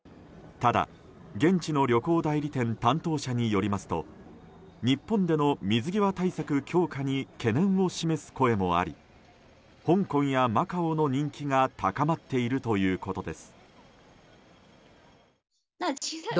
ただ、現地の旅行代理店担当者によりますと日本での水際対策強化に懸念を示す声もあり香港やマカオの人気が高まっているということです。